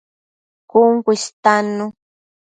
Cun cu istannu